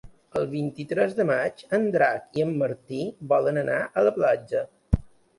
El vint-i-tres de maig en Drac i en Martí volen anar a la platja.